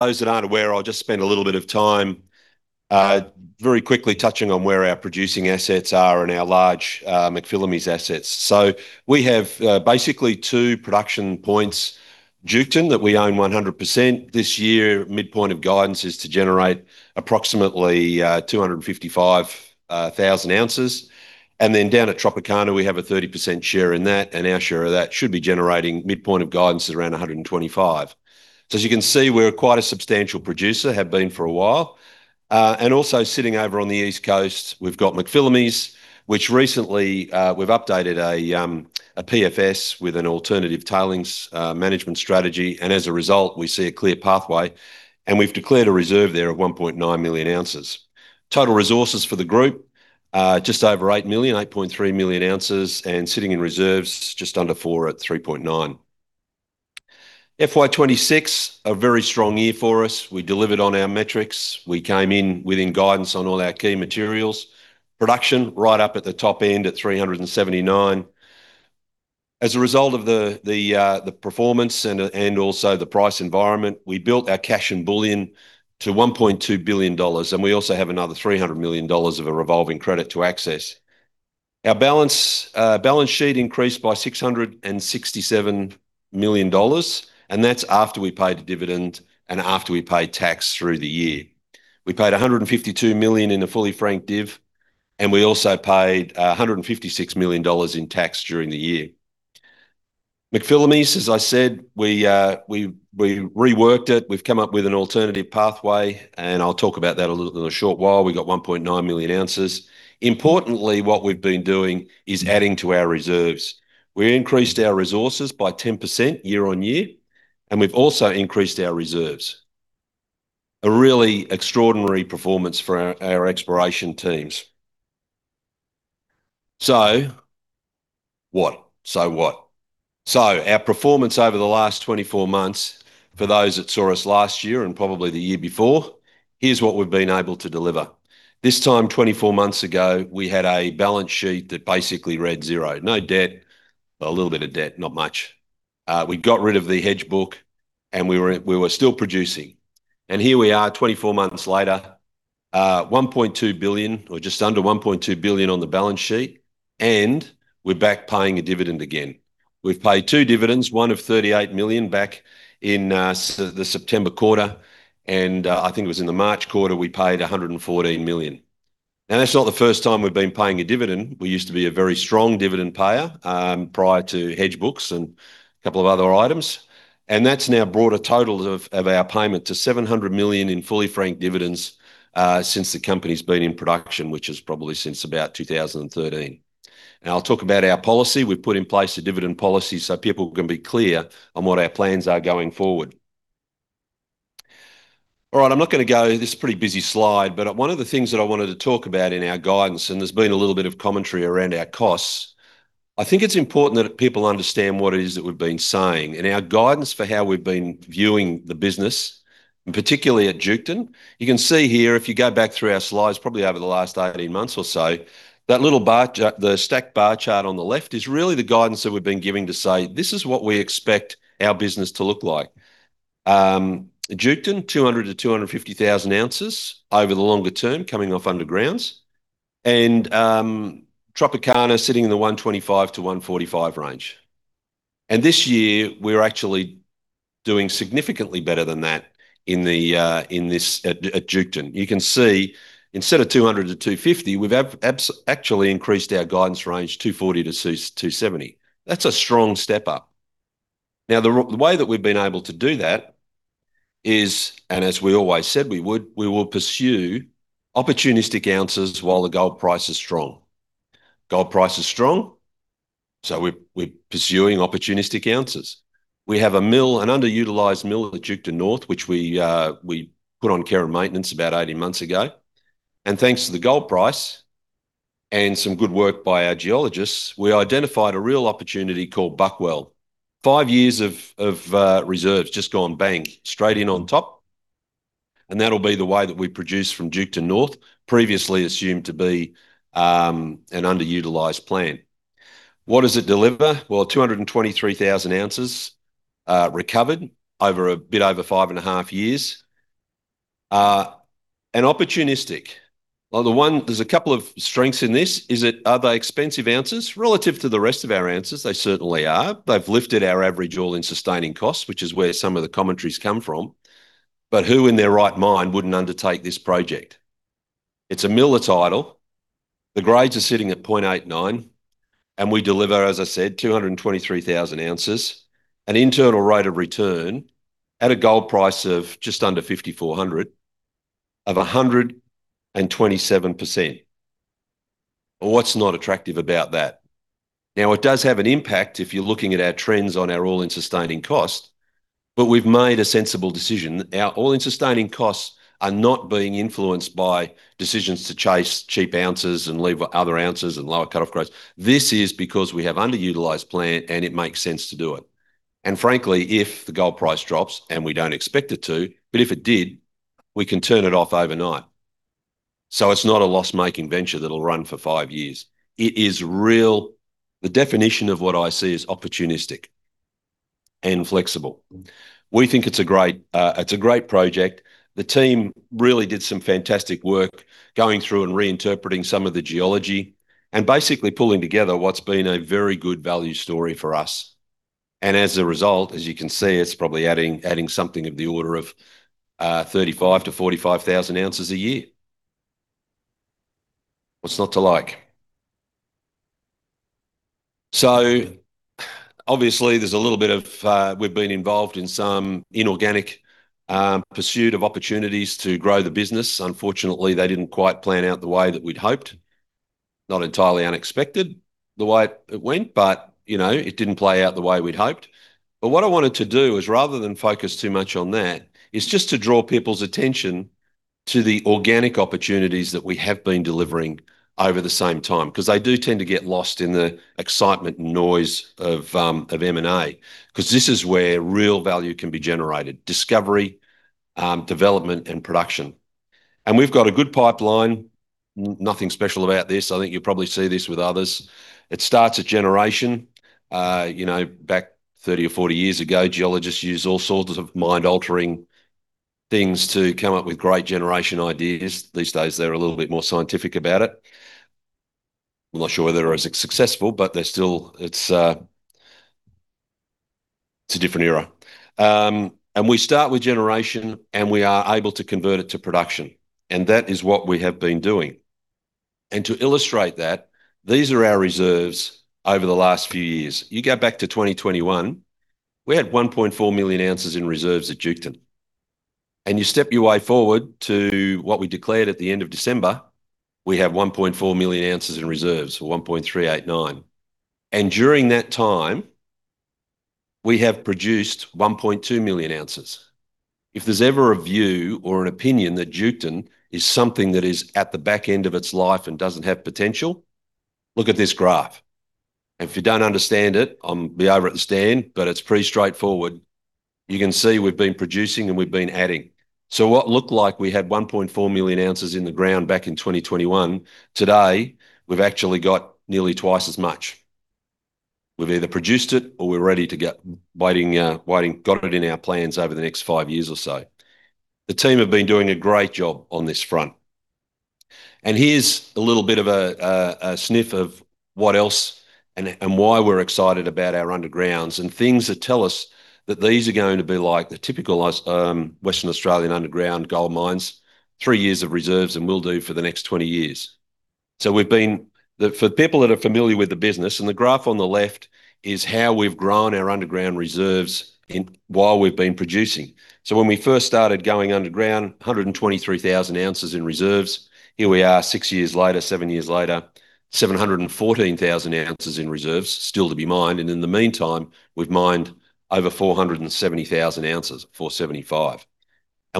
Those that aren't aware, I'll just spend a little bit of time very quickly touching on where our producing assets are and our large McPhillamys assets. We have basically two production points. Duketon, that we own 100%. This year, midpoint of guidance is to generate approximately 255,000 oz. Then down at Tropicana, we have a 30% share in that, and our share of that should be generating midpoint of guidance is around 125. As you can see, we're quite a substantial producer, have been for a while. Also sitting over on the East Coast, we've got McPhillamys, which recently we've updated a PFS with an alternative tailings management strategy. As a result, we see a clear pathway, and we've declared a reserve there of 1,900,000 oz. Total resources for the group, just over 8,000,000 oz, 8,300,000 oz and sitting in reserves just under four at 3,900,000 oz FY 2026, a very strong year for us. We delivered on our metrics. We came in within guidance on all our key materials. Production right up at the top end at 379,000 oz. As a result of the performance and also the price environment, we built our cash and bullion to 1.2 billion dollars. We also have another 300 million dollars of a revolving credit to access. Our balance sheet increased by 667 million dollars, and that's after we paid a dividend and after we paid tax through the year. We paid 152 million in a fully franked div, and we also paid 156 million dollars in tax during the year. McPhillamys, as I said, we reworked it. We've come up with an alternative pathway, and I'll talk about that a little in a short while. We got 1,900,000 oz. Importantly, what we've been doing is adding to our reserves. We increased our resources by 10% year-over-year, and we've also increased our reserves. A really extraordinary performance for our exploration teams. So what? So what? Our performance over the last 24 months, for those that saw us last year and probably the year before, here's what we've been able to deliver. This time 24 months ago, we had a balance sheet that basically read zero. No debt. Well, a little bit of debt, not much. We got rid of the hedge book and we were still producing. Here we are 24 months later, 1.2 billion or just under 1.2 billion on the balance sheet, and we're back paying a dividend again. We've paid two dividends, one of 38 million back in the September quarter. I think it was in the March quarter, we paid 114 million. That's not the first time we've been paying a dividend. We used to be a very strong dividend payer prior to hedge books and a couple of other items. That's now brought a total of our payment to 700 million in fully franked dividends since the company's been in production, which is probably since about 2013. I'll talk about our policy. We've put in place a dividend policy so people can be clear on what our plans are going forward. All right. One of the things that I wanted to talk about in our guidance, and there's been a little bit of commentary around our costs. I think it's important that people understand what it is that we've been saying and our guidance for how we've been viewing the business, and particularly at Duketon. You can see here, if you go back through our slides, probably over the last 18 months or so, the stacked bar chart on the left is really the guidance that we've been giving to say, 'This is what we expect our business to look like.' Duketon, 200,000 oz-250,000 oz over the longer term coming off underground. Tropicana sitting in the 125,000 oz-145,000 oz range. This year we're actually doing significantly better than that at Duketon. You can see instead of 200-250, we've actually increased our guidance range 240,000 oz-270,000 oz. That's a strong step up. The way that we've been able to do that is, as we always said we would, we will pursue opportunistic ounces while the gold price is strong. Gold price is strong, we're pursuing opportunistic ounces. We have a mill, an underutilized mill at Duketon North, which we put on care and maintenance about 18 months ago. Thanks to the gold price and some good work by our geologists, we identified a real opportunity called BuckWell. Five years of reserves just gone bang, straight in on top, that'll be the way that we produce from Duketon North, previously assumed to be an underutilized plant. What does it deliver? 223,000 oz recovered over a bit over five and a half years. Opportunistic. There's a couple of strengths in this, is that are they expensive ounces? Relative to the rest of our ounces, they certainly are. They've lifted our average all-in sustaining costs, which is where some of the commentaries come from. Who in their right mind wouldn't undertake this project? It's a mill at idle. The grades are sitting at 0.89, we deliver, as I said, 223,000 oz. An internal rate of return at a gold price of just under 5,400 of 127%. What's not attractive about that? It does have an impact if you're looking at our trends on our all-in sustaining cost, we've made a sensible decision. Our all-in sustaining costs are not being influenced by decisions to chase cheap ounces and leave other ounces and lower cutoff grades. This is because we have underutilized plant and it makes sense to do it. Frankly, if the gold price drops, we don't expect it to, if it did, we can turn it off overnight. It's not a loss-making venture that'll run for five years. It is real. The definition of what I see is opportunistic and flexible. We think it's a great project. The team really did some fantastic work going through and reinterpreting some of the geology and basically pulling together what's been a very good value story for us. As a result, as you can see, it's probably adding something of the order of 35,000 oz-45,000 oz a year. What's not to like? We've been involved in some inorganic pursuit of opportunities to grow the business. Unfortunately, they didn't quite plan out the way that we'd hoped. Not entirely unexpected the way it went, it didn't play out the way we'd hoped. What I wanted to do is, rather than focus too much on that, is just to draw people's attention to the organic opportunities that we have been delivering over the same time. They do tend to get lost in the excitement and noise of M&A. This is where real value can be generated: discovery, development, and production. We've got a good pipeline. Nothing special about this. I think you'll probably see this with others. It starts at generation. Back 30 or 40 years ago, geologists used all sorts of mind-altering things to come up with great generation ideas. These days, they're a little bit more scientific about it. I'm not sure whether it's as successful, but it's a different era. We start with generation, and we are able to convert it to production, and that is what we have been doing. To illustrate that, these are our reserves over the last few years. You go back to 2021, we had 1,400,000 oz in reserves at Duketon. You step your way forward to what we declared at the end of December, we have 1,400,000 oz in reserves, or 1,389,000 oz. During that time, we have produced 1,200,000 oz. If there's ever a view or an opinion that Duketon is something that is at the back end of its life and doesn't have potential, look at this graph. If you don't understand it, I'll be over at the stand, but it's pretty straightforward. You can see we've been producing and we've been adding. What looked like we had 1,400,000 oz in the ground back in 2021, today we've actually got nearly twice as much. We've either produced it or we're ready to get waiting, got it in our plans over the next five years or so. The team have been doing a great job on this front. Here's a little bit of a sniff of what else and why we're excited about our undergrounds and things that tell us that these are going to be like the typical Western Australian underground gold mines, three years of reserves and will do for the next 20 years. For people that are familiar with the business and the graph on the left is how we've grown our underground reserves while we've been producing. When we first started going underground, 123,000 oz in reserves. Here we are six years later, seven years later, 714,000 oz in reserves still to be mined. In the meantime, we've mined over 470,000 oz, 475,000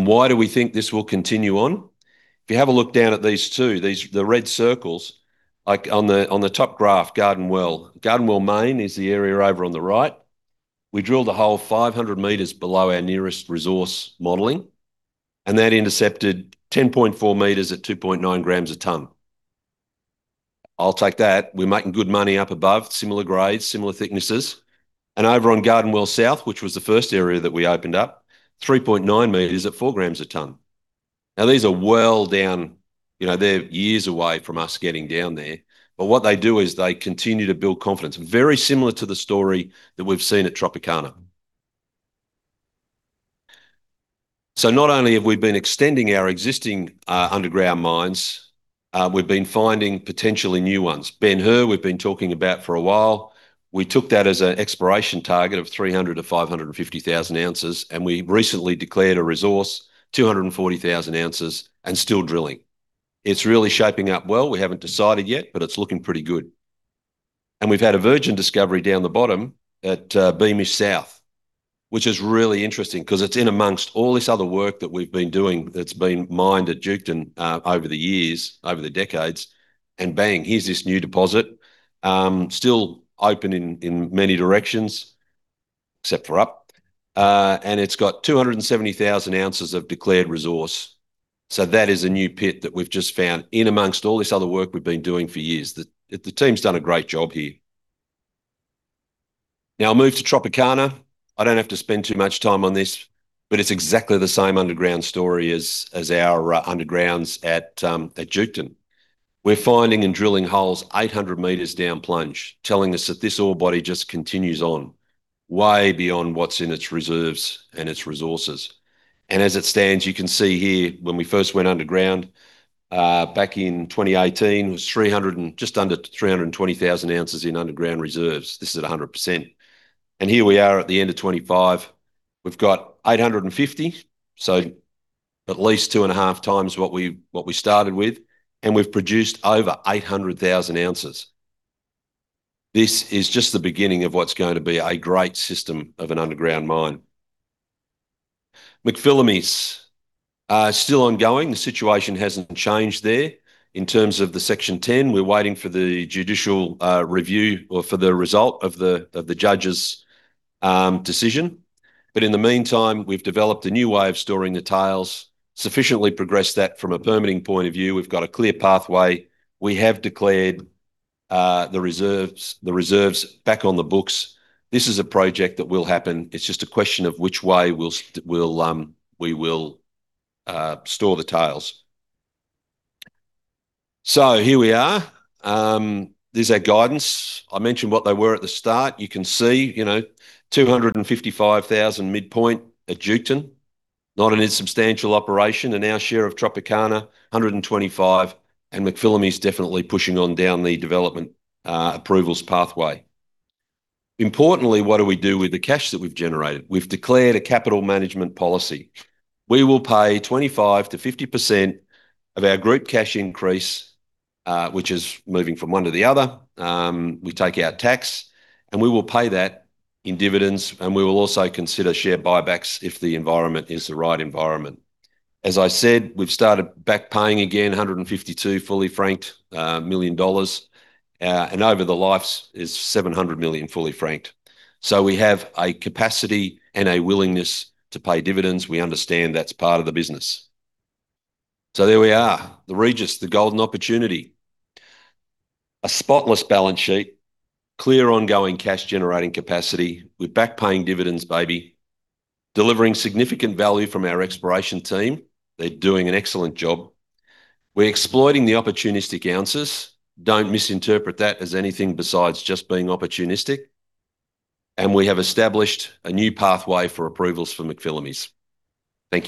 oz. Why do we think this will continue on? If you have a look down at these two, the red circles, like on the top graph, Garden Well. Garden Well Main is the area over on the right. We drilled a hole 500 m below our nearest resource modeling, and that intercepted 10.4 m at 2.9 g/ton. I'll take that. We're making good money up above, similar grades, similar thicknesses. Over on Garden Well South, which was the first area that we opened up, 3.9 m at 4 g/ton. Now, these are well down. They're years away from us getting down there. What they do is they continue to build confidence. Very similar to the story that we've seen at Tropicana. Not only have we been extending our existing underground mines, we've been finding potentially new ones. Ben Hur, we've been talking about for a while. We took that as an exploration target of 300,000 oz-550,000 oz, and we recently declared a resource, 240,000 oz and still drilling. It's really shaping up well. We haven't decided yet, but it's looking pretty good. We've had a virgin discovery down the bottom at Beamish South, which is really interesting because it's in amongst all this other work that we've been doing that's been mined at Duketon over the years, over the decades. Bang, here's this new deposit. Still open in many directions, except for up. It's got 270,000 oz of declared resource. That is a new pit that we've just found in amongst all this other work we've been doing for years. The team's done a great job here. I'll move to Tropicana. I don't have to spend too much time on this, but it's exactly the same underground story as our undergrounds at Duketon. We're finding and drilling holes 800 m down plunge, telling us that this ore body just continues on way beyond what's in its reserves and its resources. As it stands, you can see here when we first went underground back in 2018, it was just under 320,000 oz in underground reserves. This is at 100%. Here we are at the end of 2025, we've got 850,000 oz, so at least 2.5x What we started with, and we've produced over 800,000 oz. This is just the beginning of what's going to be a great system of an underground mine. McPhillamys are still ongoing. The situation hasn't changed there. In terms of the Section 10, we're waiting for the judicial review or for the result of the judge's decision. In the meantime, we've developed a new way of storing the tails, sufficiently progressed that from a permitting point of view. We've got a clear pathway. We have declared the reserves back on the books. This is a project that will happen. It's just a question of which way we will store the tails. Here we are. There's our guidance. I mentioned what they were at the start. You can see 255,000 oz midpoint at Duketon, not an insubstantial operation. Our share of Tropicana, 125,000 oz. McPhillamys definitely pushing on down the development approvals pathway. Importantly, what do we do with the cash that we've generated? We've declared a capital management policy. We will pay 25%-50% of our group cash increase, which is moving from one to the other. We take out tax, we will pay that in dividends, we will also consider share buybacks if the environment is the right environment. As I said, we've started back paying again, 152 million fully franked. Over the life is 700 million fully franked. We have a capacity and a willingness to pay dividends. We understand that's part of the business. There we are. The Regis, the golden opportunity. A spotless balance sheet, clear ongoing cash-generating capacity. We're back paying dividends, baby. Delivering significant value from our exploration team. They're doing an excellent job. We're exploiting the opportunistic ounces. Don't misinterpret that as anything besides just being opportunistic. We have established a new pathway for approvals for McPhillamys. Thank you